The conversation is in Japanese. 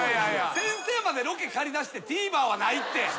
先生までロケ駆り出してＴＶｅｒはないって。